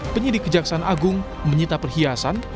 penyidik kejaksaan agung menyita perhiasan